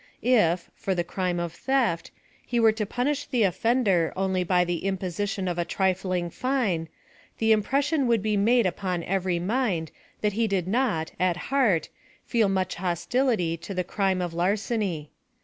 If, for the crime of theft, he were to punish the oflender only by the imposition of a trifling fine, the impression would be made upon every mind that he did not, at heart, feel much hostility to the crime of lar ceny.